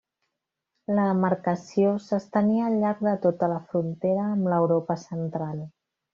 La demarcació s'estenia al llarg de tota la frontera amb l'Europa Central.